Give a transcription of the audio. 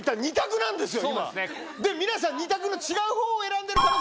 で皆さん２択の違う方を選んでるから。